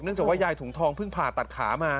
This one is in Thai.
จากว่ายายถุงทองเพิ่งผ่าตัดขามา